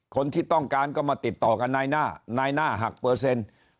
คนที่ต้องการก็มาติดต่อกับนายหน้านายหน้าหักเปอร์เซ็นต์